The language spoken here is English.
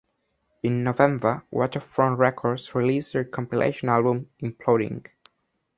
In November, Waterfront Records released their compilation album, 'Imploding'.